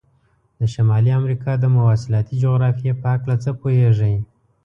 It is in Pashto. د شمالي امریکا د مواصلاتي جغرافیې په هلکه څه پوهیږئ؟